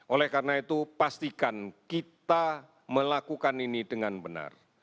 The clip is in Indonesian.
oleh karena itu pastikan kita melakukan ini dengan benar